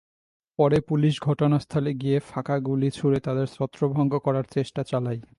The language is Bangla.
পরে পুলিশ ঘটনাস্থলে গিয়ে ফাঁকা গুলি ছুড়ে তাদের ছত্রভঙ্গ করার চেষ্টা চালায়।